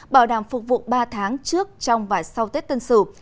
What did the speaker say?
bảo đảm phục vụ ba tháng trước trong và sau tết tân sửu